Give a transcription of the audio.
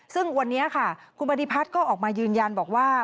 ซึ่งวันนี้ค่ะคุณปฏิพัฒน์ก็ออกมายืนยันบอกว่า